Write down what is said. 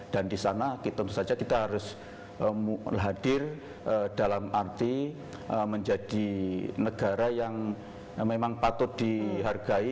dan di sana tentu saja kita harus hadir dalam arti menjadi negara yang memang patut dihargai